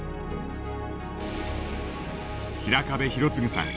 白壁弘次さん。